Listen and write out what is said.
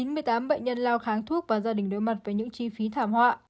chín mươi tám bệnh nhân lao kháng thuốc và gia đình đối mặt với những chi phí thảm họa